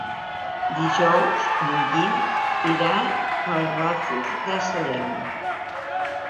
Dijous en Guim irà al Ràfol de Salem.